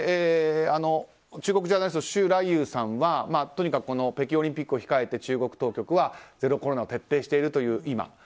中国ジャーナリストの周来友さんはとにかく北京オリンピックを控え中国当局はゼロコロナを徹底しているという今。